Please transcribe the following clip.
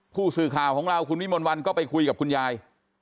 ผู้สื่อข่าวของเราคุณวิมลวันก็ไปคุยกับคุณยาย